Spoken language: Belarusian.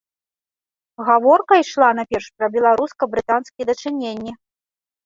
Гаворка ішла найперш пра беларуска-брытанскія дачыненні.